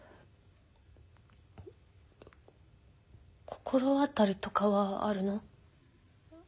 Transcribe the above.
心当たりとかはあるの？